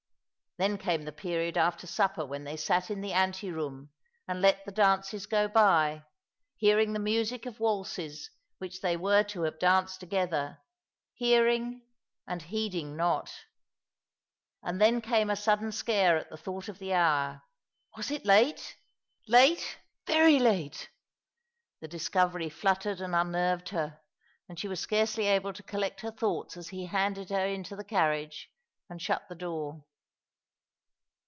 Then came the period aft«r supper when they sat in the ante room and let the dances go by, hearing the music of waltzes which they were to have danced together, hearing and heeding not. And then came a sudden scare at the thought of the hour. Was it late ? Late, very late I The discovery fluttered and unnerved her, and she wag scarcely able to collect her thoughts as he handed her into the carriage and shut the door.